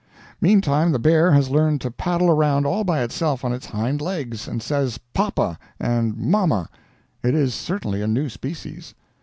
Meantime the bear has learned to paddle around all by itself on its hind legs, and says "poppa" and "momma." It is certainly a new species.